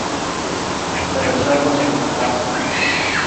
o كه د زړه غوټه درته خلاصــه كــړمــــــه.